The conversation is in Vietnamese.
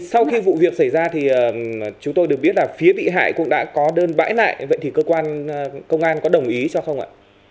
sau khi vụ việc xảy ra thì chúng tôi được biết là phía bị hại cũng đã có đơn bãi lại vậy thì cơ quan công an có đồng ý cho không ạ